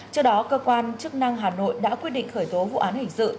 trước đó cơ quan chức năng hà nội đã quyết định khởi tố vụ án hình sự